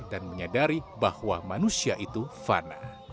dan menyadari bahwa manusia itu fana